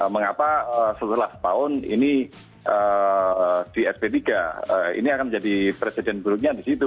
mengapa setelah setahun ini di sp tiga ini akan menjadi presiden buruknya di situ